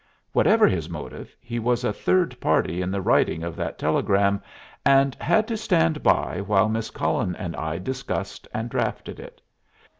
Whatever his motive, he was a third party in the writing of that telegram, and had to stand by while Miss Cullen and I discussed and draughted it.